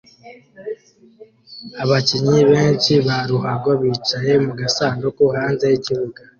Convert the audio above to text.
Abakinnyi benshi ba ruhago bicaye mu gasanduku hanze yikibuga